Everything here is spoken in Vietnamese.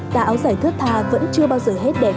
cả áo giải thiết tha vẫn chưa bao giờ hết đẹp